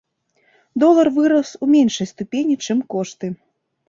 Долар вырас у меншай ступені, чым кошты.